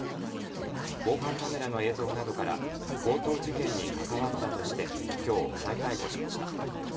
防犯カメラの映像などから強盗事件に関わったとしてきょう再逮捕しました。